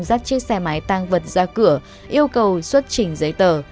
dắt chiếc xe máy tăng vật ra cửa yêu cầu xuất trình giấy tờ